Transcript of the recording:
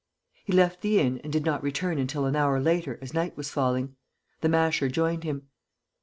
He left the inn and did not return until an hour later as night was falling. The Masher joined him.